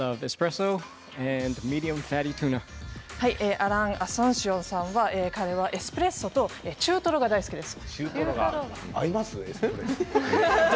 アラン・アスンシオンさんはエスプレッソと中とろが大好きです。